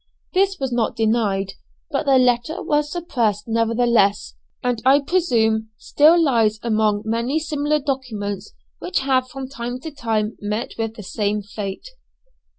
This was not denied, but the letter was suppressed nevertheless, and I presume, still lies among many similar documents which have from time to time met with the same fate.